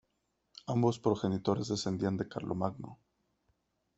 Ambos progenitores descendían de Carlomagno.